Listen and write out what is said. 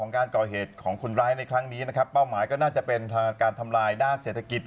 ขุนร้ายในครั้งนี้นะครับเป้าหมายก็น่าจะเป็นการทำลายด้านเศรษฐกิจ